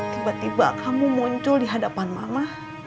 tiba tiba kamu muncul di hadapan mama